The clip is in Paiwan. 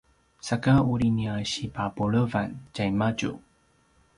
saka uri nia sipapulevan tjaimadju